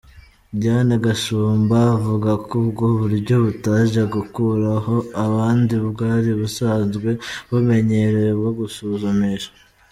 Diane Gashumba avuga ko ubwo buryo butaje gukuraho ubundi bwari busanzwe bumenyerewe bwo kwisuzumisha.